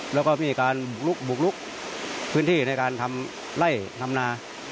แล้วก็มีการบุกลุกบุกลุกพื้นที่ในการทำไล่ทำนา